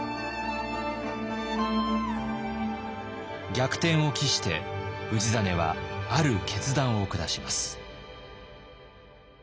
逆転を期して氏真はある決断を下します。